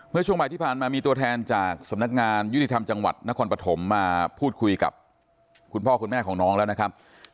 ช่วงบ่ายที่ผ่านมามีตัวแทนจากสำนักงานยุติธรรมจังหวัดนครปฐมมาพูดคุยกับคุณพ่อคุณแม่ของน้องแล้วนะครับ